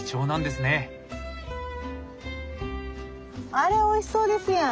あれおいしそうですやん。